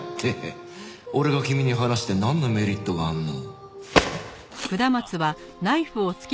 俺が君に話してなんのメリットがあんの？